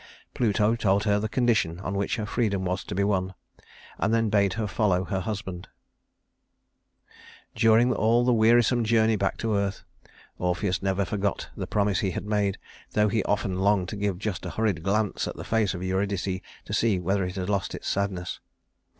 Pluto told her the condition on which her freedom was to be won, and then bade her follow her husband. [Illustration: Orpheus and Eurydice] During all the wearisome journey back to earth, Orpheus never forgot the promise he had made, though he often longed to give just a hurried glance at the face of Eurydice to see whether it had lost its sadness.